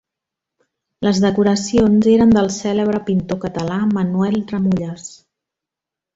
Les decoracions eren del cèlebre pintor català Manuel Tramulles.